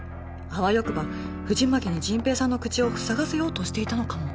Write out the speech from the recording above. あわよくば藤巻に迅平さんの口をふさがせようとしていたのかも